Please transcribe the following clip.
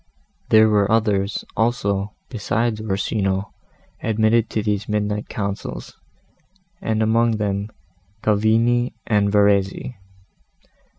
There were others, also, besides Orsino, admitted to these midnight councils, and among them Cavigni and Verezzi.